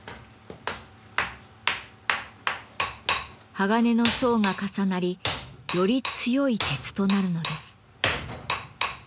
鋼の層が重なりより強い鉄となるのです。